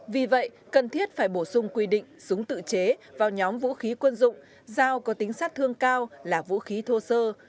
vì vậy cần thiết phải bổ sung quy định súng tự chế vào nhóm vũ khí quân dụng dao có tính sát thương cao là vũ khí thô sơ